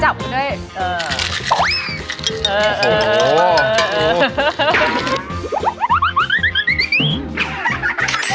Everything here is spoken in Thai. จับด้วยเออเออเออโอ้โห